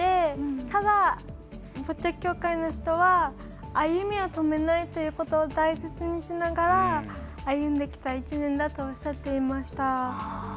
ただボッチャ協会の人は歩みを止めないということを大切にしながら歩んできた１年だとおっしゃっていました。